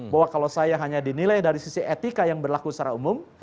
bahwa kalau saya hanya dinilai dari sisi etika yang berlaku secara umum